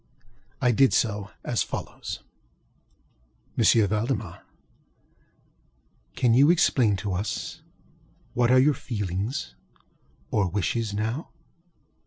I did so, as follows: ŌĆ£M. Valdemar, can you explain to us what are your feelings or wishes now?